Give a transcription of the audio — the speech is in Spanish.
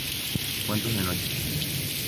Cuentos de Noche.